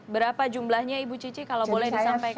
berapa jumlahnya ibu cici kalau boleh disampaikan